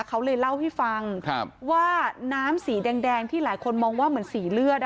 เขาเลยเล่าให้ฟังว่าน้ำสีแดงที่หลายคนมองว่าเหมือนสีเลือด